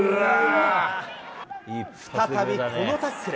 再びこのタックル。